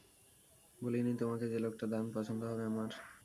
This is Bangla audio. বলিনি তোমাকে যে লোকটাকে দারুণ পছন্দ হবে আমার?